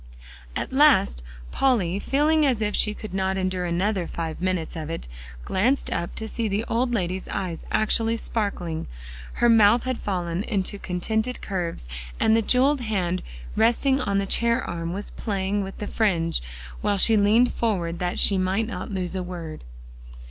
At last Polly, feeling as if she could not endure another five minutes of it, glanced up to see the old lady's eyes actually sparkling; her mouth had fallen into contented curves, and the jeweled hand resting on the chair arm was playing with the fringe, while she leaned forward that she might not lose a word.